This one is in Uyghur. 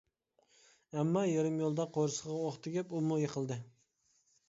ئەمما يېرىم يولدا قورسىقىغا ئوق تېگىپ ئۇمۇ يىقىلدى.